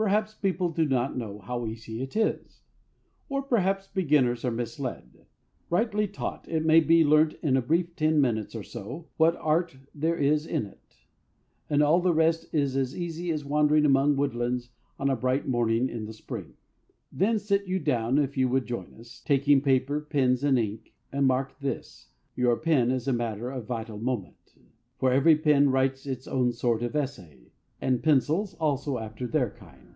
Perhaps people do not know how easy it is. Or perhaps beginners are misled. Rightly taught it may be learnt in a brief ten minutes or so, what art there is in it. And all the rest is as easy as wandering among woodlands on a bright morning in the spring. Then sit you down if you would join us, taking paper, pens, and ink; and mark this, your pen is a matter of vital moment. For every pen writes its own sort of essay, and pencils also after their kind.